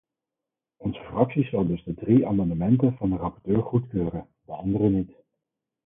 Onze fractie zal dus de drie amendementen van de rapporteur goedkeuren, de andere niet.